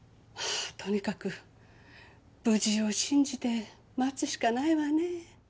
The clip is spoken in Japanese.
とにかく無事を信じて待つしかないわね。